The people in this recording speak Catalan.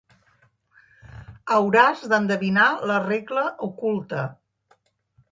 Hauràs d'endevinar la regla oculta.